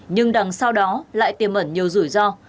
nhưng đằng sau đó lại tiềm ẩn nhiều rủi ro